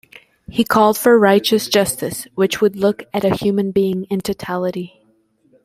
He called for "righteous justice" which would look at a human being in totality.